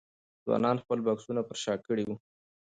ځوانانو خپل بکسونه پر شا کړي وو.